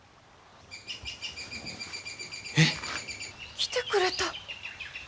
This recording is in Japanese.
えっ？来てくれた。